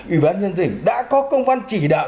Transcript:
ủy ban nhân tỉnh đã có công văn chỉ đạo